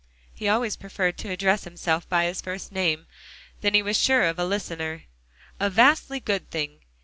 He always preferred to address himself by his first name; then he was sure of a listener. "A vastly good thing.